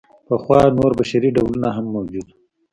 پخوا نور بشري ډولونه هم موجود وو.